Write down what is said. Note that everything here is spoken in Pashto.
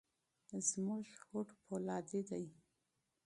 زموږ هوډ فولادي دی.